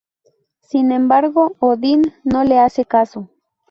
Sin embargo Odín no le hace caso.